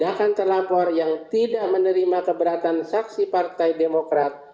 tiga bawasnu memiliki wewenang memeriksa yang tidak menerima keberatan saksi partai demokrat